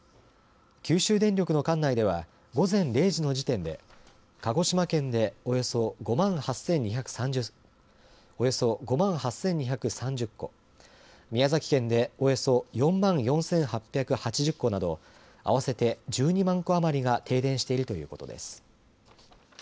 九州電力の管内では午前０時の時点で鹿児島県でおよそ５万８２３０戸宮崎県でおよそ４万４８８０戸など合わせて１２万戸余りが停電しているということです。